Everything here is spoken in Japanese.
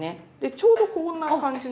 ちょうどこんな感じの。